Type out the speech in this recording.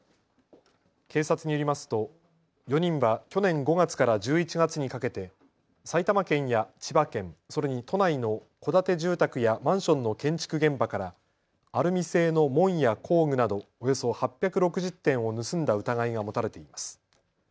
警察によりますと４人は去年５月から１１月にかけて埼玉県や千葉県、それに都内の戸建て住宅やマンションの建築現場からアルミ製の門や工具などおよそ８６０点を盗んだ疑いが持たれています。